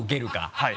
はい。